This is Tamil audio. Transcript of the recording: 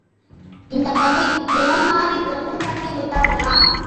இந்தப் பகை நிலைமாறி ஒன்றுபட்டு விட்டார்களா?